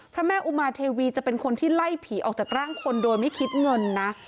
พระแม่อุมาเทวีจะเป็นคนที่ไล่ผีออกจากร่างคนโดยไม่คิดเงินนะ